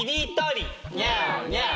ニャーニャー。